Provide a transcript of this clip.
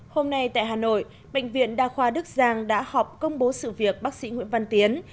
hôm nay tại hà nội bệnh viện đa khoa đức giang đã họp công bố sự việc bác sĩ nguyễn văn tiến